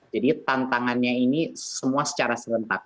jadi tantangannya ini semua secara serentak